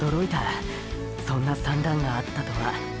そんな算段があったとは。